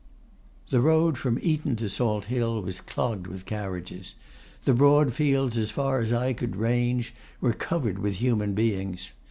The road from Eton to Salt Hill was clogged with carriages; the broad fields as far as eye could range were covered with human beings.